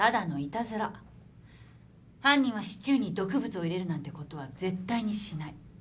犯人はシチューに毒物を入れるなんてことは絶対にしない。